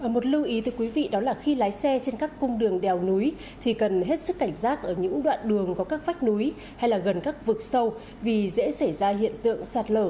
một lưu ý từ quý vị đó là khi lái xe trên các cung đường đèo núi thì cần hết sức cảnh giác ở những đoạn đường có các vách núi hay là gần các vực sâu vì dễ xảy ra hiện tượng sạt lở